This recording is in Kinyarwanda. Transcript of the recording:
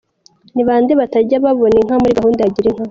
– Ni bande batajya babona inka muri gahunda ya girinka?